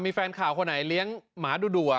มีแฟนข่าวคนไหนเลี้ยงหมาดู